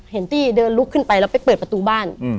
ตี้เดินลุกขึ้นไปแล้วไปเปิดประตูบ้าน